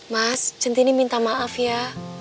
mas centini minta maaf ya